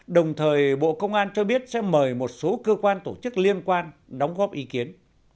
đồng thời bộ công an cho biết sẽ mời một số cơ quan tổ chức liên quan đóng góp ý kiến